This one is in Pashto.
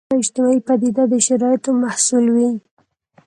هره اجتماعي پدیده د شرایطو محصول وي.